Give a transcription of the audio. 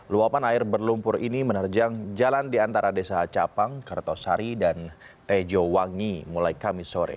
luapan air berlumpur ini menerjang jalan di antara desa capang kertosari dan tejowangi mulai kamis sore